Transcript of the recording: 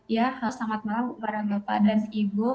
ya selamat malam para bapak dan ibu